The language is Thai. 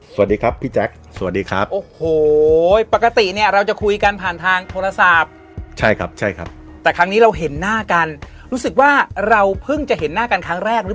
สวัสดีครับพี่แจ๊คสวัสดีครับโอ้โหปกติเนี่ยเราจะคุยกันผ่านทางโทรศัพท์ใช่ครับใช่ครับแต่ครั้งนี้เราเห็นหน้ากันรู้สึกว่าเราเพิ่งจะเห็นหน้ากันครั้งแรกหรือ